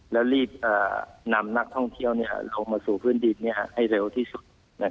แล้วรีบนำนักท่องเที่ยวลงมาสู่พื้นดินให้เร็วที่สุด